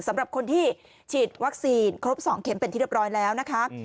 สำหรับคนที่ฉีดวัคซีนครบ๒เข็มเป็นที่เรียบร้อยแล้วนะคะ